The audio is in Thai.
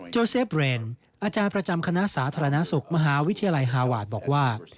เซฟเรนอาจารย์ประจำคณะสาธารณสุขมหาวิทยาลัยฮาวาสบอกว่า